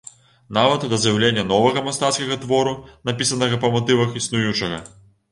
Нават да з'яўлення новага мастацкага твору, напісанага па матывах існуючага.